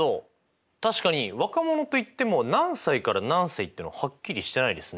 確かに若者といっても何歳から何歳っていうのははっきりしてないですね。